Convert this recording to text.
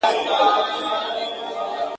او په ژمي اورېدلې سختي واوري `